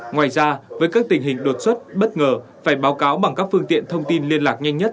ngoài ra với các tình hình đột xuất bất ngờ phải báo cáo bằng các phương tiện thông tin liên lạc nhanh nhất